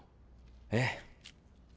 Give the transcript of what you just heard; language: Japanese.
ええ。